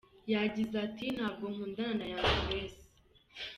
Yagize ati " Nabwo nkundana na Young Grace.